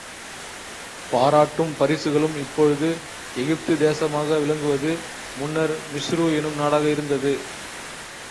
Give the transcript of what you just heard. பாராட்டும் பரிசுகளும் இப்பொழுது எகிப்து தேசமாக விளங்குவது முன்னர் மிஸ்று என்னும் நாடாக இருந்தது.